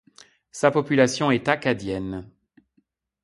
Sa population est acadienne.